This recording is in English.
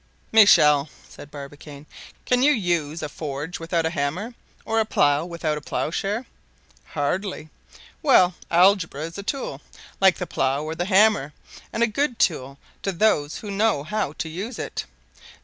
'" "Michel," said Barbicane, "can you use a forge without a hammer, or a plow without a plowshare?" "Hardly." "Well, algebra is a tool, like the plow or the hammer, and a good tool to those who know how to use it."